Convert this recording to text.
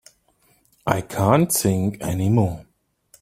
I can't think any more.